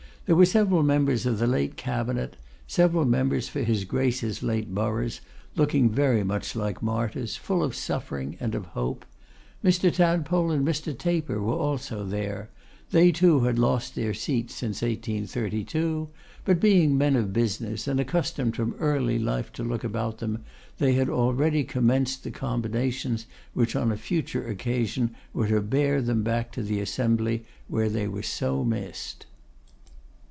There were several members of the late cabinet, several members for his Grace's late boroughs, looking very much like martyrs, full of suffering and of hope. Mr. Tadpole and Mr. Taper were also there; they too had lost their seats since 1832; but being men of business, and accustomed from early life to look about them, they had already commenced the combinations which on a future occasion were to bear them back to the assembly where they were so missed.